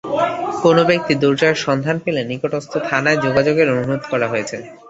কোনো ব্যক্তি দুর্জয়ের সন্ধান পেলে নিকটস্থ থানায় যোগাযোগের অনুরোধ করা হয়েছে।